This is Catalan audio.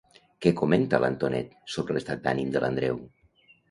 Què comenta l'Antonet sobre l'estat d'ànim de l'Andreu?